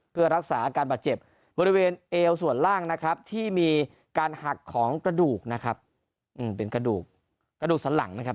เพื่อรักษาอาการบาดเจ็บบริเวณเอวส่วนล่างนะครับที่มีการหักของกระดูกนะครับเป็นกระดูกกระดูกสันหลังนะครับ